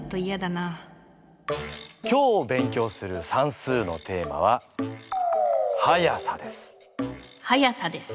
今日勉強する算数の速さです。